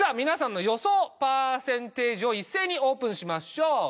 皆さんの予想パーセンテージを一斉にオープンしましょう